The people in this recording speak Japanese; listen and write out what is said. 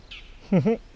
フフッ。